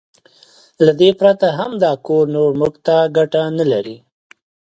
له دې پرته هم دا کور نور موږ ته ګټه نه لري.